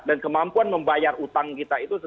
dan kemampuan membayar utang kita itu